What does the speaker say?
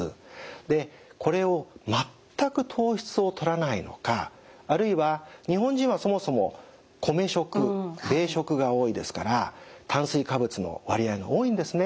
でこれを全く糖質をとらないのかあるいは日本人はそもそも米食が多いですから炭水化物の割合も多いんですね。